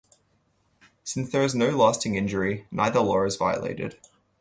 Since there is no lasting injury, neither law is violated.